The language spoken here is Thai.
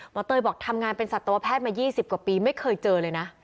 เตยบอกทำงานเป็นสัตวแพทย์มา๒๐กว่าปีไม่เคยเจอเลยนะ